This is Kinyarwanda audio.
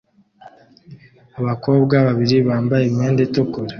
Abakobwa babiri bambaye imyenda itukura